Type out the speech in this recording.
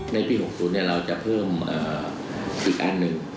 ในปี๖๐เราจะเพิ่มอีกอันหนึ่ง